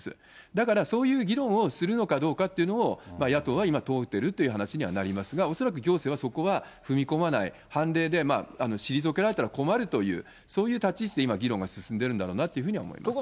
だからそういう議論をするのかどうかというのを、野党は今、問うてるっていう話になると思うんですが、恐らく行政はそこは、踏み込まない、判例で、退けられたら困るという、そういう立ち位置で今、議論が進んでいるんだろうなと思います。